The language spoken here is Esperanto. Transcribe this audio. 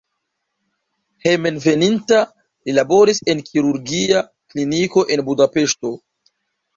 Hejmenveninta li laboris en kirurgia kliniko en Budapeŝto.